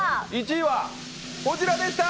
１位は、こちらでした。